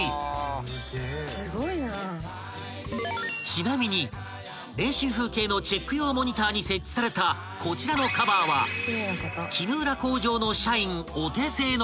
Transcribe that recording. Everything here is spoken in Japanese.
［ちなみに練習風景のチェック用モニターに設置されたこちらのカバーは衣浦工場の］